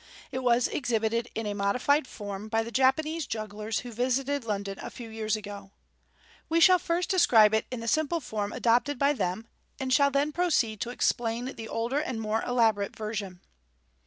It was exhibited in a modified form by the Japanese jugglers who visited London a few years ago. We shall first describe it in the simple form adopted by them, and shall then proceed to explain the older and more elaborate version.